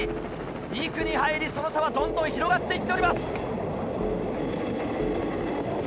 ２区に入りその差はどんどん広がっていっております。